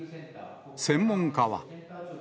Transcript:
専門家は。